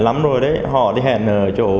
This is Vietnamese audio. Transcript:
lắm rồi đấy họ đi hẹn ở chỗ